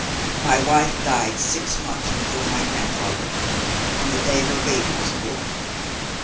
My wife died six months before my grandfather, on the day her baby was born."